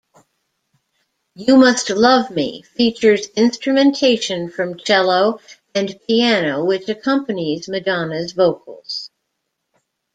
"You Must Love Me" features instrumentation from cello and piano which accompanies Madonna's vocals.